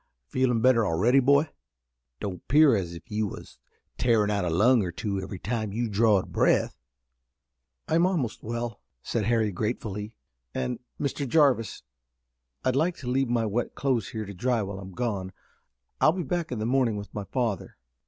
Feelin' better already, boy? Don't 'pear as if you was tearin' out a lung or two every time you drawed breath?" "I'm almost well," said Harry gratefully, "and, Mr. Jarvis, I'd like to leave my wet clothes here to dry while I'm gone. I'll be back in the morning with my father."